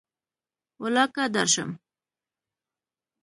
ولاکه درشم